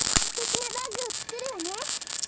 すてきなバッグをつくるわね。